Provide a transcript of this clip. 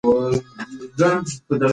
ببو په خپله لمده ګوته د دېګ خوند وکتل.